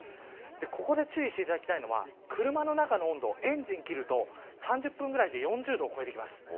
ここで注意していただきたいのが車の中の温度、エンジンを切ると３０分ぐらいで４０度を超えてきます。